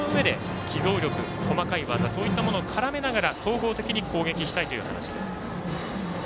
そのうえで機動力細かい技を絡めながら総合的に攻撃したいという話です。